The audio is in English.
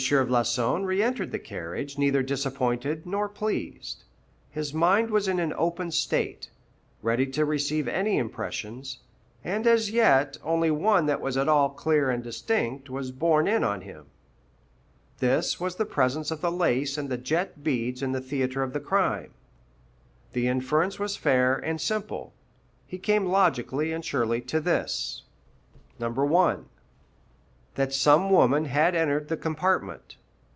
Floçon reëntered the carriage neither disappointed nor pleased; his mind was in an open state, ready to receive any impressions, and as yet only one that was at all clear and distinct was borne in on him. This was the presence of the lace and the jet beads in the theatre of the crime. The inference was fair and simple. He came logically and surely to this: 1. That some woman had entered the compartment.